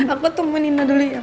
aku ketemu nino dulu ya